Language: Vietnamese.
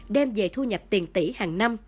đem về thu nhập tiền tỷ hàng năm